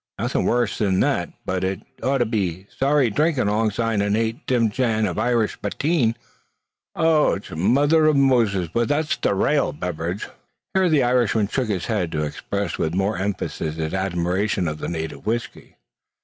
It's nothing the worse av that; but it 'ud be sorry drinkin' alongside a nate dimmyjan of Irish patyeen. Och! mother av Moses! but that's the raal bayvaridge!" Here the Irishman shook his head to express with more emphasis his admiration of the native whisky.